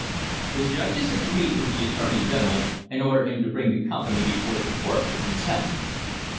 The judges agreed with the attorney general and ordered him to bring the company before the court for contempt.